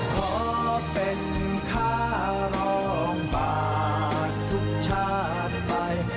ขอลดเป็นค่ารองบาททุกชาติไป